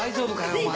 お前。